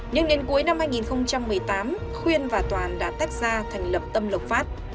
nhưng đến cuối năm hai nghìn một mươi tám khuyên và toàn đã tách ra thành lập tâm lộc phát